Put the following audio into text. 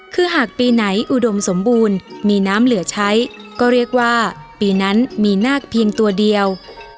คือหากปีไหนอุดมสมบูรณ์มีน้ำเหลือใช้ก็เรียกว่าปีนั้นมีนาคเพียงตัวเดียว